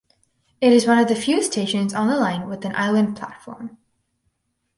It is one of the few stations on the line with an island platform.